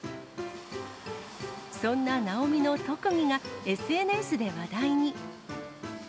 そんななおみの特技が、ＳＮＳで話題に。